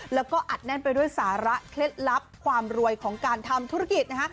แล้วก็อัดแน่นไปด้วยสาระเคล็ดลับความรวยของการทำธุรกิจนะคะ